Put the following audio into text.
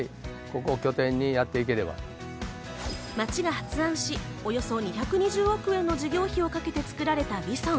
町が発案し、およそ２２０億円の事業費をかけて作られたＶＩＳＯＮ。